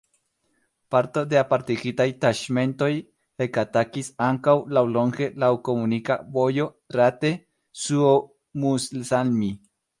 Parto de apartigitaj taĉmentoj ekatakis ankaŭ laŭlonge laŭ komunika vojo Raate–Suomussalmi.